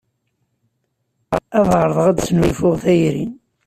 Ad εerḍeɣ ad d-snulfuɣ tayri